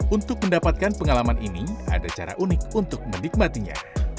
untuk mendapatkan pengalaman ini ada cara unik untuk menikmatinya